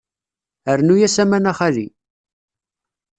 Rnu-as aman a xali.